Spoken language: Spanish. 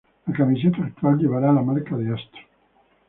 La camiseta actual llevará la marca de Astro.